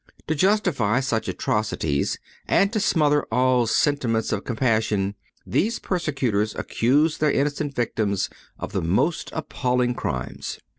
To justify such atrocities, and to smother all sentiments of compassion, these persecutors accused their innocent victims of the most appalling crimes.